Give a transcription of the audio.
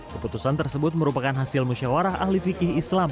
keputusan tersebut merupakan hasil musyawarah ahli fikih islam